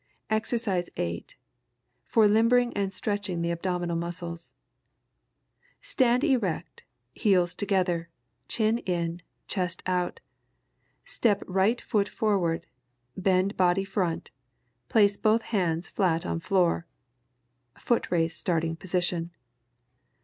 EXERCISE 8. For limbering and stretching the abdominal muscles. Stand erect, heels together, chin in, chest out, step right foot forward, bend body front, place both hands flat on floor (foot race starting position).